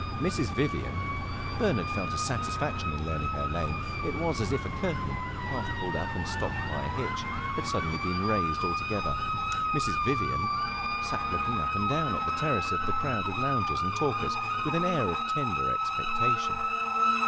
Mrs. Vivian Bernard felt a satisfaction in learning her name; it was as if a curtain, half pulled up and stopped by a hitch, had suddenly been raised altogether Mrs. Vivian sat looking up and down the terrace at the crowd of loungers and talkers with an air of tender expectation.